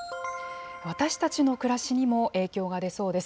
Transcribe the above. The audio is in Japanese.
私たちの暮らしにも影響が出そうです。